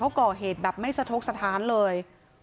เขาก่อเหตุแบบไม่สะทกสถานเลย